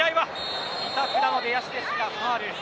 板倉の出足ですが、ファウル。